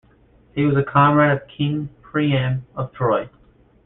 He was a comrade of King Priam of Troy.